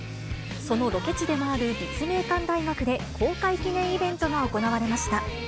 そのロケ地でもある立命館大学で、公開記念イベントが行われました。